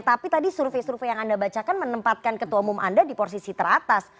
tapi tadi survei survei yang anda bacakan menempatkan ketua umum anda di posisi teratas